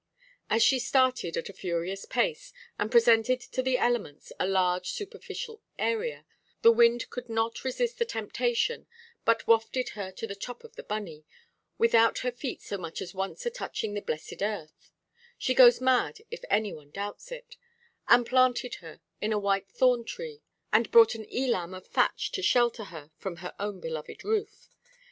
As she started at a furious pace, and presented to the elements a large superficial area, the wind could not resist the temptation, but wafted her to the top of the bunney, without her feet so much as once a–touching the blessed earth—she goes mad if any one doubts it—and planted her in a white–thorn tree, and brought an "elam" of thatch to shelter her from her own beloved roof.